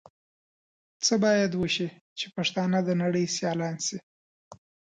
څه بايد وشي چې پښتانهٔ د نړۍ سيالان شي؟